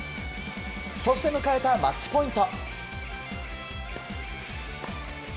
そして、迎えたマッチポイント。